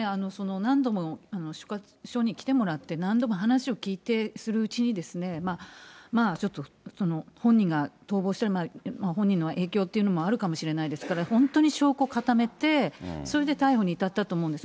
何度も署に来てもらって、何度も話を聴いてするうちに、ちょっと本人が逃亡、本人の影響というのもあるかもしれないですから、本当に証拠固めて、それで逮捕に至ったと思うんです。